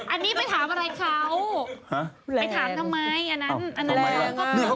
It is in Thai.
อันนี้ไปถามอะไรเขา